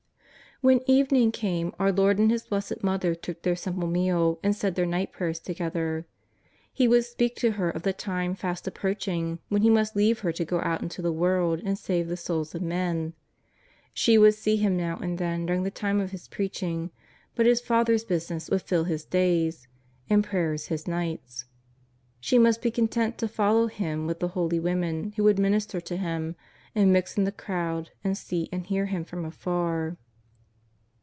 When evening came our Lord and His Blessed Mother took their simple meal and said their night prayers together. He would speak to her of the time fast ap proaching when He must leave her to go out into the world and save the souls of men. She would see Him now and then during the time of His preaching, but His Father's business would fill His days, and prayer His nights. She must be content to follow Him with the holy women who would minister to Him, and mix in the crowd and see and hear Him from afar.